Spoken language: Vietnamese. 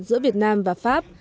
giữa việt nam và pháp